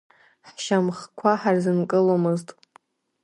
Ҳшьамхқәа ҳарзынкыломызт.